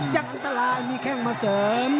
อันตรายมีแข้งมาเสริม